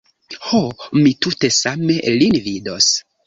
Ho, mi tute same lin vidos.